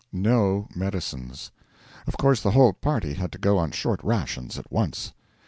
No medicines. Of course the whole party had to go on short rations at once.